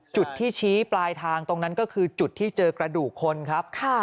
จุดที่ชี้ปลายทางตรงนั้นก็คือจุดที่เจอกระดูกคนครับ